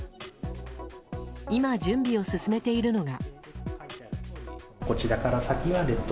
今、準備を進めているのが。